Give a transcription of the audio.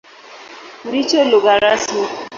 Ndicho lugha rasmi.